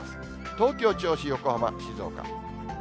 東京、銚子、横浜、静岡。